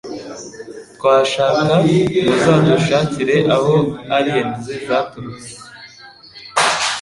Twashaka Muzadushakire Aho Aliens Zaturutse